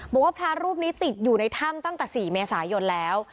บอกว่าพระรูปนี้ติดอยู่ในถ้ำตั้งแต่๔เมษายนแล้ว